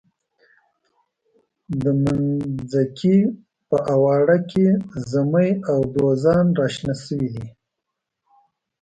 د منځکي په اواړه کې زمۍ او دوزان را شنه شوي دي.